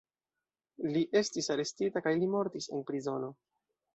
Li estis arestita kaj li mortis en prizono.